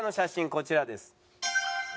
こちらです。